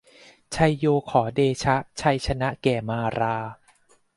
ไชโยขอเดชะ ชัยชนะแก่มารา